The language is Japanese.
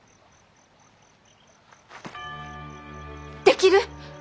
できる。